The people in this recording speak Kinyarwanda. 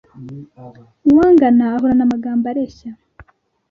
Uwangana ahorana amagambo areshya